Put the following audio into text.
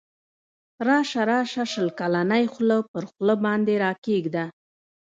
راسه راسه شل کلنی خوله پر خوله باندی را کښېږده